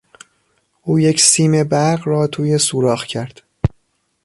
او یک سیم برق را توی سوراخ کرد.